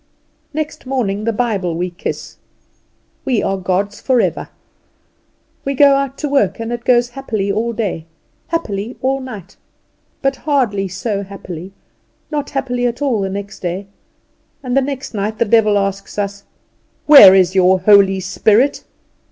Next morning the Bible we kiss. We are God's forever. We go out to work, and it goes happily all day, happily all night; but hardly so happily, not happily at all, the next day; and the next night the devil asks us, "where is your Holy Spirit?"